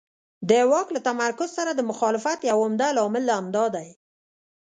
د واک له تمرکز سره د مخالفت یو عمده لامل همدا دی.